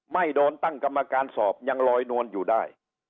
ไม่โดนตั้งกรรมการสอบยังลอยนวลอยู่ได้